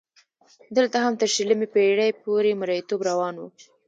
دلته هم تر شلمې پېړۍ پورې مریتوب روان و.